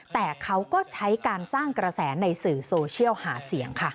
แต่เขาก็ใช้การสร้างกระแสในสื่อโซเชียลหาเสียงค่ะ